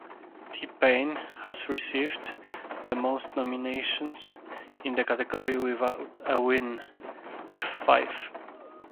T-Pain has received the most nominations in the category without a win, with five.